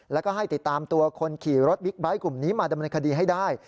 แล้วก็ให้ติดตามตัวคนขี่รถบิ๊กไบท์กลุ่มนี้มาดำเนินคดีให้ได้